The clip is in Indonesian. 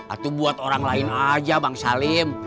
atau buat orang lain aja bang salim